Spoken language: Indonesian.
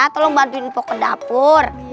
tolong bantuin inpuk ke dapur